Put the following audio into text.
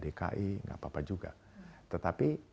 dki nggak apa apa juga tetapi